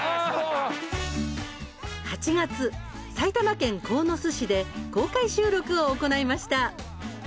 ８月、埼玉県鴻巣市で公開収録を行いました。